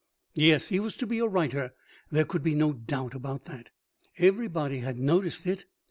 Yes, he was to be a writer; there could be no doubt about that. Everybody had noticed it.